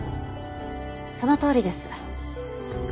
そのとおりです。